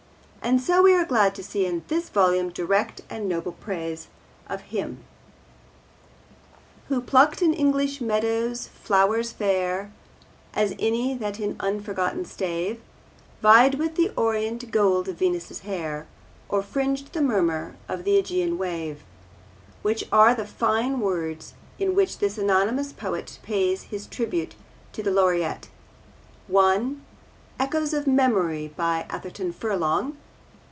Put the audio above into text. And so we are glad to see in this volume direct and noble praise of him Who plucked in English meadows flowers fair As any that in unforgotten stave Vied with the orient gold of Venus' hair Or fringed the murmur of the AEgean wave, which are the fine words in which this anonymous poet pays his tribute to the Laureate. (1) Echoes of Memory. By Atherton Furlong.